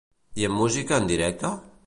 I amb música en directe?